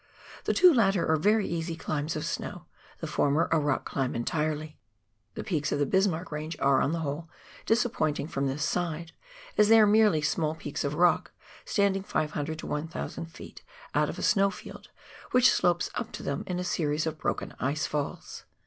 The two latter are very easy climbs of snow — the former a rock climb entirely. The peaks of the Bismarck Range are, on the whole, disappointing from this side, as they are merely small peaks of rock, standing 500 to 1,000 ft. out of a snow field, which slopes up to them in a series of broken ice falls.